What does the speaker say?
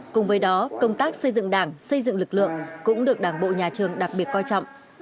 cùng với đó công tác xây dựng đảng xây dựng lực lượng cũng được đảng bộ nhà trường đặc biệt coi trọng